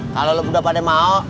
kalo lo udah pada mau